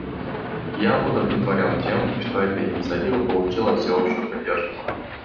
Я удовлетворен тем, что эта инициатива получила всеобщую поддержку.